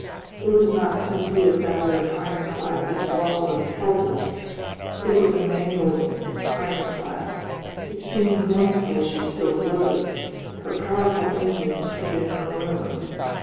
It was not simply a battered ironclad that wallowed helpless, it was a mangled ironclad. It seemed wonderful she still floated. Her powerful engines had been her ruin.